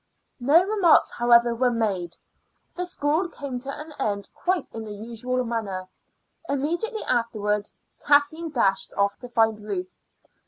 No remarks, however, were made. The school came to an end quite in the usual manner. Immediately afterwards Kathleen dashed off to find Ruth.